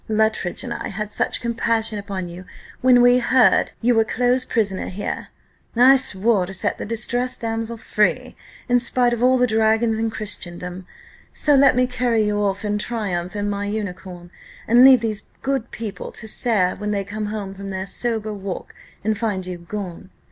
Luttridge and I had such compassion upon you, when we heard you were close prisoner here! I swore to set the distressed damsel free, in spite of all the dragons in Christendom; so let me carry you off in triumph in my unicorn, and leave these good people to stare when they come home from their sober walk, and find you gone.